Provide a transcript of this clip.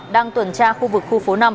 đang tuần tra khu vực khu phố năm